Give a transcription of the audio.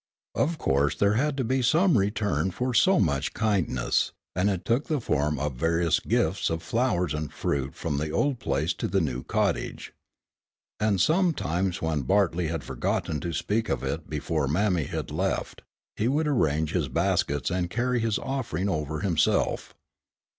Of course there had to be some return for so much kindness, and it took the form of various gifts of flowers and fruit from the old place to the new cottage. And sometimes when Bartley had forgotten to speak of it before mammy had left, he would arrange his baskets and carry his offering over himself.